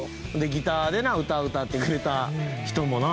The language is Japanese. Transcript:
ギターでな、歌を歌ってくれた人もな。